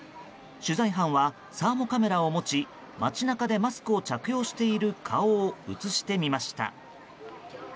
取材班はサーモカメラを持ち街中でマスクを着用している顔を映してみました。